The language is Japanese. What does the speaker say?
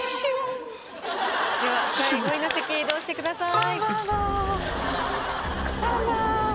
では第５位の席へ移動してください。